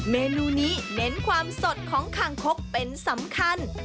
เมนูนี้เน้นความสดของคางคกเป็นสำคัญ